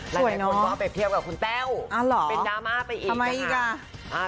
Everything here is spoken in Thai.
หลายคนก็เปรียบเทียบกับคุณแต้วเป็นดราม่าไปอีกนะคะ